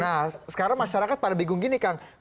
nah sekarang masyarakat pada bingung gini kang